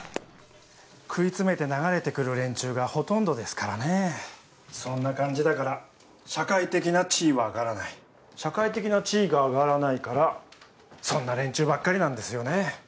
食い詰めて流れてくる連中がほとんどですからそんな感じだから社会的な地位は上がらない社会的な地位が上がらないからそんな連中ばっかりなんですよね